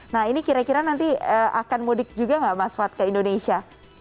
nah ini kira kira nanti akan mudik juga nggak mas fad ke indonesia